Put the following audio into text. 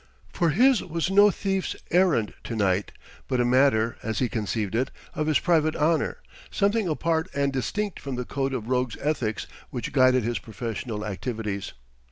For his was no thief's errand to night, but a matter, as he conceived it, of his private honour, something apart and distinct from the code of rogue's ethics which guided his professional activities.